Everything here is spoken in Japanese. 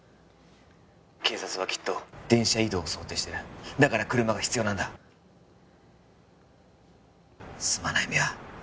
☎警察はきっと電車移動を想定してるだから車が必要なんだすまない三輪